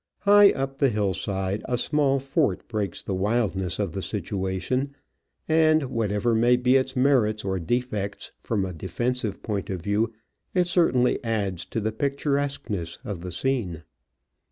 High up the hillside a small fort breaks the wildness of the situation, and, whatever may be its merits or defects from a defensive point of view, it certainly adds to the picturesqueness of the scene.